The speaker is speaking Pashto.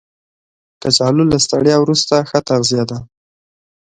کچالو له ستړیا وروسته ښه تغذیه ده